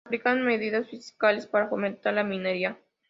Se aplicaron medidas fiscales para fomentar la minería.